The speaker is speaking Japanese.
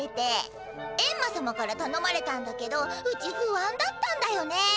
エンマ様からたのまれたんだけどうちふあんだったんだよね。